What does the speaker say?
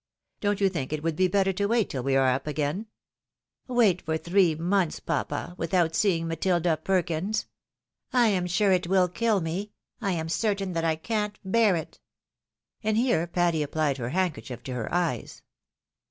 Don't you think it would be better to wait till we are up again ?" "Wait for three months, papa, without seeing Matilda Perkins ? I am sure it will kill me, I am certain that I can't bear it." And here Patty appUed her handkerchief to her eyes.